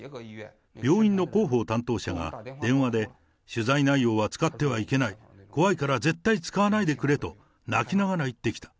病院の広報担当者が電話で取材内容は使ってはいけない、怖いから絶対使わないでくれと、泣きながら言ってきた。